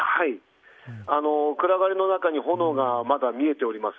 暗がりの中に炎がまだ見えております。